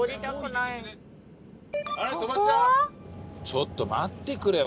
ちょっと待ってくれよ。